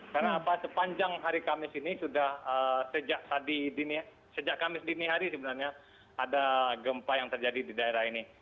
karena apa sepanjang hari kamis ini sudah sejak tadi dini sejak kamis dini hari sebenarnya ada gempa yang terjadi di daerah ini